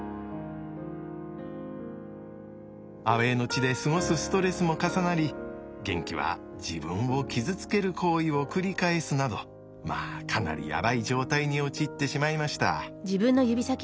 アウェーの地で過ごすストレスも重なりゲンキは自分を傷つける行為を繰り返すなどまあかなりやばい状態に陥ってしまいました。